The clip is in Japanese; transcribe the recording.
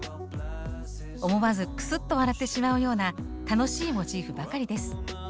思わずクスッと笑ってしまうような楽しいモチーフばかりです。